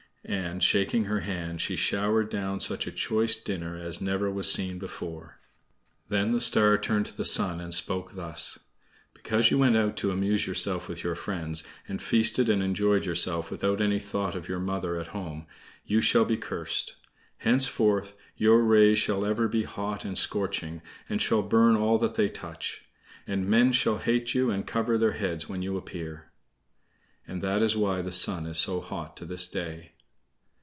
And, shaking her hands, she showered down such a choice dinner as never was seen before. Then the Star turned to the Sun and spoke thus: "Because you went out to amuse yourself with your friends, and feasted and enjoyed yourself without any thought of your mother at home, you shall be cursed. Henceforth, your rays shall ever be hot and scorching, and shall burn all that they touch. And men shall hate you and cover their heads when you appear." (And that is why the Sun is so hot to this day.)